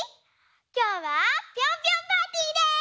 きょうはピョンピョンパーティーです！